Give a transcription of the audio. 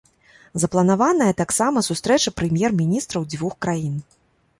Запланаваная таксама сустрэча прэм'ер-міністраў дзвюх краін.